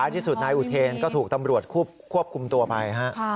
ที่สุดนายอุเทนก็ถูกตำรวจควบคุมตัวไป